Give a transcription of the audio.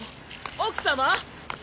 奥様！